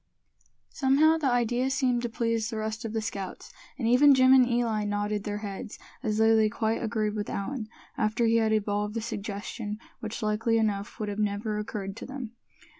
Somehow, the idea seemed to please the rest of the scouts; and even Jim and Eli nodded their heads, as though they quite agreed with Allan, after he had evolved the suggestion, which likely enough would have never occurred to them.